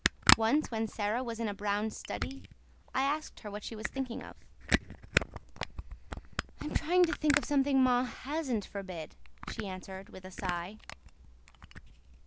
Once, when Sara was in a brown study, I asked her what she was thinking of. "I'm trying to think of something ma hasn't forbid," she answered with a sigh.